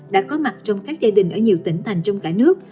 đã có mặt trong các gia đình ở nhiều tỉnh thành trong cả nước